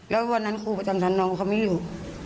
แล้ววันนั้นครูประจำชั้นน้องเขาไม่อยู่